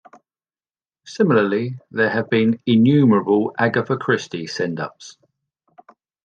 Similarly, there have been innumerable Agatha Christie send-ups.